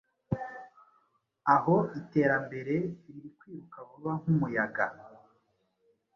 aho iterambere riri kwiruka vuba nk’umuyaga,